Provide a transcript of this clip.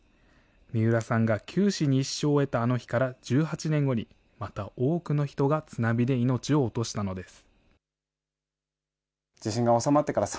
三浦さんが九死に一生を得たあの日から１８年後に、また多くの人が津波で命を落としたのです。